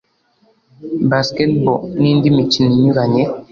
basketball] n’indi mikino inyuranye